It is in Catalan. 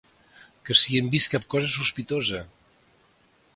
Que si hem vist cap cosa sospitosa.